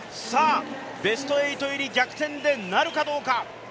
ベスト８入り、逆転でなるかどうか。